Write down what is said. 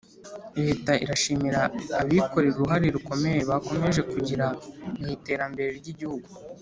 Leta irashimira abikorera uruhare rukomeye bakomeje kugira mu iterembere ryigihugu